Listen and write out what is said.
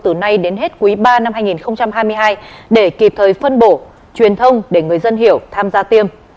từ nay đến hết quý ba năm hai nghìn hai mươi hai để kịp thời phân bổ truyền thông để người dân hiểu tham gia tiêm